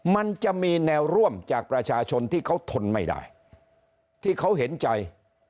มันจะมีแนวร่วมจากประชาชนที่เขาทนไม่ได้ที่เขาเห็นใจ